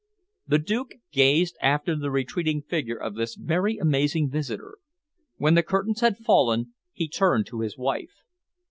The Duke gazed after the retreating figure of this very amazing visitor. When the curtains had fallen he turned to his wife.